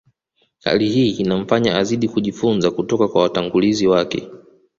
Hali hii inamfanya azidi kujifunza kutoka kwa watangulizi wake